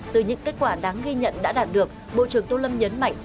từ những kết quả đáng ghi nhận đã đạt được bộ trưởng tô lâm nhấn mạnh